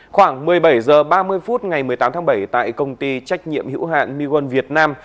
khoảng một mươi bảy h ba mươi phút ngày một mươi tám tháng bảy tại công ty trách nhiệm hữu hạn miwan việt nam